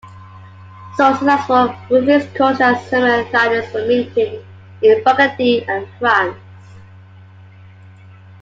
So successful were these coins that similar thalers were minted in Burgundy and France.